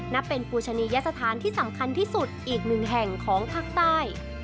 นับเป็นปูชนียสถานที่สำคัญที่สุดอีกหนึ่งแห่งของภาคใต้